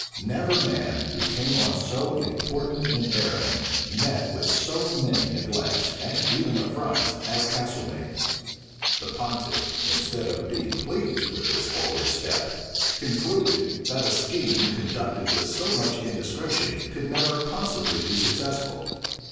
Never man, who came on so important an errand, met with so many neglects, and even affronts, as Castelmaine. The pontiff, instead of being pleased with this forward step, concluded, that a scheme conducted with so much indiscretion, could never possibly be successful.